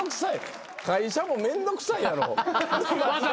会社もめんどくさいやろ。